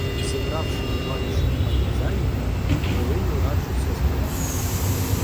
Зібравши буваліших партизанів, хвилину раджуся з ними.